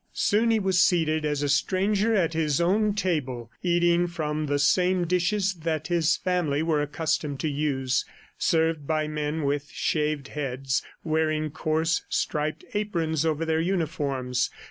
Soon he was seated as a stranger at his own table, eating from the same dishes that his family were accustomed to use, served by men with shaved heads, wearing coarse, striped aprons over their uniforms.